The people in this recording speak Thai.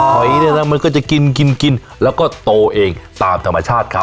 หอยเนี่ยนะมันก็จะกินกินแล้วก็โตเองตามธรรมชาติเขา